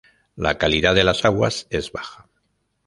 La calidad de las aguas es baja.